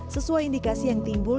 sesuai indikasi yang timbul